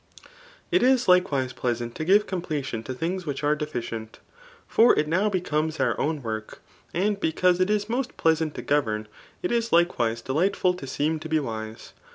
It is likewise pleasant to give completion to things which are deficient ; for it now l>ecbm^ our own work. And because It is most plea fi&int to govern, it is likewise delightful to seem to be wise.